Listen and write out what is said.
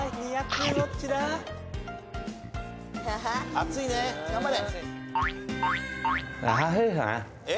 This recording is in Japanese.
熱いね頑張れ。